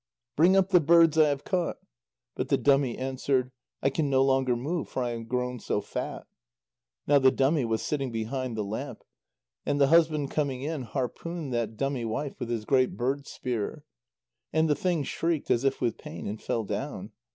"Bring up the birds I have caught!" But the dummy answered: "I can no longer move, for I am grown so fat." Now the dummy was sitting behind the lamp. And the husband coming in, harpooned that dummy wife with his great bird spear. And the thing shrieked as if with pain and fell down.